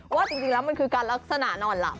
ว่าจริงนะมันคือคลักษณะนอนหลับ